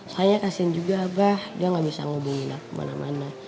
soalnya kasian juga abah dia gak bisa ngubungin aku kemana mana